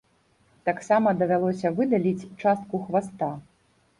Таксама давялося выдаліць частку хваста.